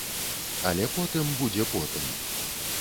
Але потым будзе потым.